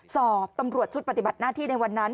สอบตำรวจชุดปฏิบัติหน้าที่ในวันนั้น